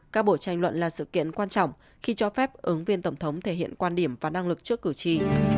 các buổi tranh luận là sự kiện quan trọng khi cho phép ứng viên tổng thống thể hiện quan điểm và năng lực trước cử tri